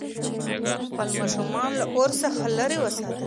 خپل ماشومان له اور څخه لرې وساتئ.